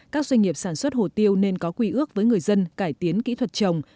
các doanh nghiệp sản xuất hồ tiêu nên có quy ước với người dân cải tiến kỹ thuật trồng